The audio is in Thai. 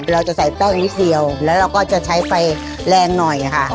เราจะใส่แป้งนิดเดียวแล้วเราก็จะใช้ไฟแรงหน่อยค่ะ